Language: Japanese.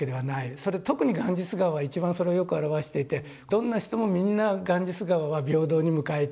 それ特にガンジス河は一番それをよく表していてどんな人もみんなガンジス河は平等に迎えていく。